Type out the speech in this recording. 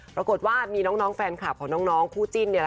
ปรากฏว่ามีน้องแฟนคลับของน้องคู่จิ้น